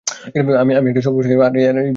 আমি একটা সভা বসাবো, আর এই বিষয়ের উপর কথা বলবো।